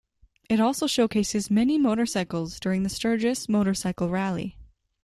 It also showcases many motorcycles during the Sturgis Motorcycle Rally.